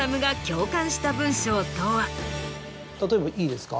例えばいいですか？